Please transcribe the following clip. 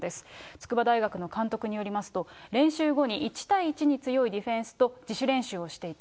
筑波大学の監督によりますと、練習後に１対１に強いディフェンスと自主練習をしていた。